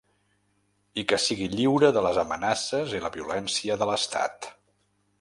I que sigui lliure de les amenaces i la violència de l’estat.